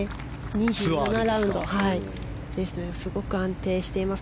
２７ラウンドですのですごく安定しています。